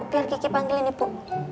biar kiki panggilin ibu